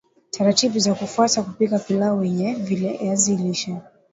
taratibu za kufuata kupika pilau lenye viazi lishe